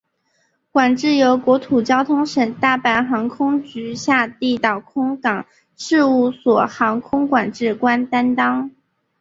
管制由国土交通省大阪航空局下地岛空港事务所航空管制官担当。